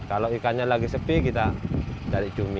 kalau ikannya lagi sepi kita cari cumi